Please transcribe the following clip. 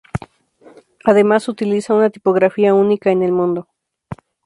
Además, utiliza una tipografía única en el mundo.